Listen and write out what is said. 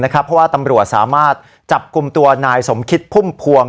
เพราะว่าตำรวจสามารถจับกลุ่มตัวนายสมคิดพุ่มพวง